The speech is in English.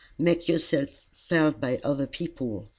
Make yourself felt by other people.